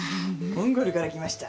モンゴルから来ました。